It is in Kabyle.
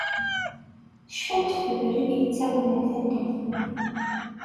Cfan ɣef ubrid i yettawin ar taddart-nni.